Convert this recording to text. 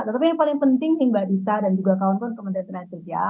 tetapi yang paling penting nih mbak disa dan juga kawan kawan kementerian tenaga kerja